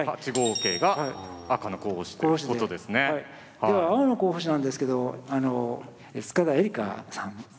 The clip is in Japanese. では青の候補手なんですけど塚田恵梨花さん。